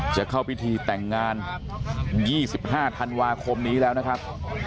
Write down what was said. จะเข้าพิธีแต่งงาน๒๕ธันวาคมนี้แล้วนะครับ